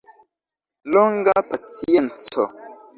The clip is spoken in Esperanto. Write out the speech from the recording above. Longa pacienco.